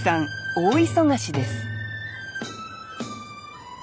大忙しです